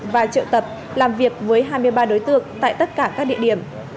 và triệu tập làm việc với hai mươi ba đối tượng tại tất cả các địa điểm